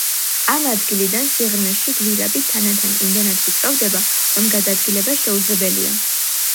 ამ ადგილიდან სიღრმეში გვირაბი თანდათან იმდენად ვიწროვდება, რომ გადაადგილება შეუძლებელია.